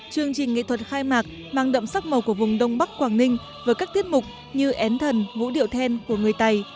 chương trình nghệ thuật khai mạc mang đậm sắc màu của vùng đông bắc quảng ninh với các tiết mục như én thần vũ điệu then của người tày